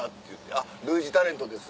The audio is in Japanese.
「あっ類似タレントです」。